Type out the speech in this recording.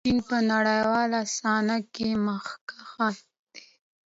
چین په نړیواله صحنه کې مخکښ دی.